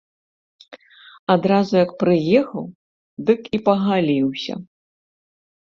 Адразу як прыехаў, дык і пагаліўся.